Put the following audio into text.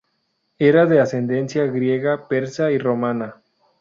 Era de ascendencia griega, persa, y romana.